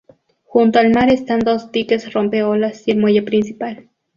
Junto al mar están dos diques rompeolas y el muelle principal.